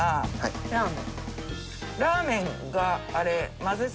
ラーメンがあれ。